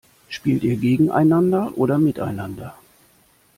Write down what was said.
Spielt ihr gegeneinander oder miteinander?